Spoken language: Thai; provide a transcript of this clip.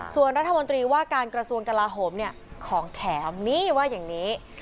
ส่วนรัฐมนตรีว่าการกระทรวงกลาโหมเนี่ยของแถมนี่ว่าอย่างนี้